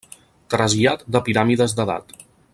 Trasllat de piràmides d'edat.